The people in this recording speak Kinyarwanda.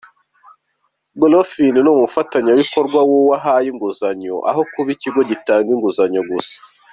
GroFin ni umufatanyabikorwa w’uwo ihaye inguzanyo, aho kuba ikigo gitanga inguzanyo gusa.